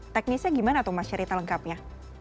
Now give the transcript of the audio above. teknisnya gimana tuh mas riri telengkapnya